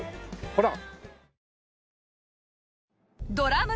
ほら。